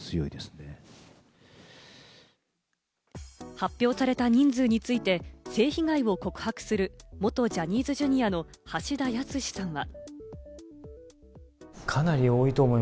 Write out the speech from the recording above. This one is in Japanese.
発表された人数について、性被害を告白する、元ジャニーズＪｒ．の橋田康さんは。